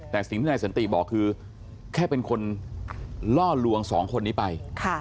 แต่สิ่งที่นายสันติบอกคือแค่เป็นคนล่อลวงสองคนนี้ไป